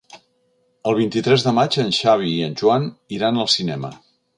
El vint-i-tres de maig en Xavi i en Joan iran al cinema.